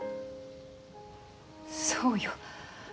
そうよ。